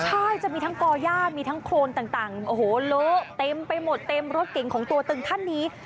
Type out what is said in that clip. ใช่จะมีทั้งก่อย่ามีทั้งโครนต่างโอ้โหเลอะเต็มไปหมดเต็มรถเก่งของตัวตึงท่านนี้